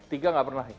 tiga tidak pernah